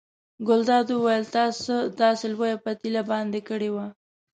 ګلداد وویل تا څه داسې لویه پتیله باندې کړې وه.